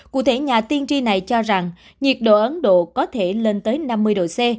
cụ thể nhà tiên tri này cho rằng nhiệt độ ấn độ có thể lên tới năm mươi độ c